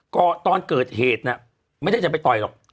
ก็ตอนเกิดเหตุน่ะไม่ได้จะไปต่อยหรอก